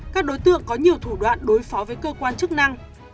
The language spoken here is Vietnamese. các đối tượng có nhiều thủ đoạn đối phó với cơ quan chức năng